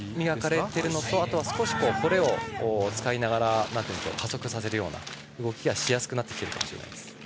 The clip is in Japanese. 磨かれているのとあと掘れを使いながら加速させるような動きがしやすくなってきているかもしれないです。